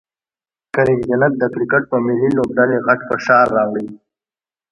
کریم جنت د کرکټ په ملي لوبډلې غټ فشار راوړي